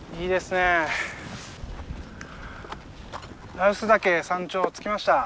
羅臼岳山頂着きました。